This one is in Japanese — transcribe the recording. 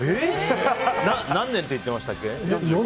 何年って言ってましたっけ？